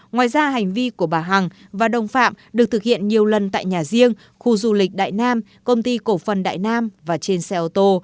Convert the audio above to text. ngoài ra hành vi của bà hằng và đồng phạm được thực hiện nhiều lần tại nhà riêng khu du lịch đại nam công ty cổ phần đại nam và trên xe ô tô